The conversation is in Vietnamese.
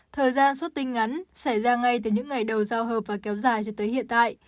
thời gian xuất tinh ngắn xảy ra ngay từ những ngày đầu giao hợp và kéo dài cho tới hiện tại